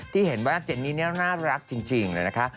ที่เห็นว่าเจนนี่น่ารักจริงเลยนะคะ